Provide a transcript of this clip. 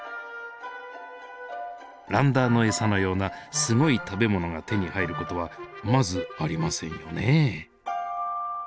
ランダーの餌のようなすごい食べ物が手に入る事はまずありませんよね。